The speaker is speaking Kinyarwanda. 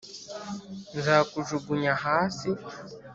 Nzakujugunya hasi.